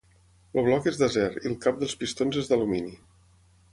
El bloc és d'acer i el cap dels pistons és d'alumini.